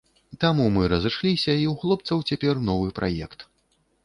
Таму мы разышліся і ў хлопцаў цяпер новы праект.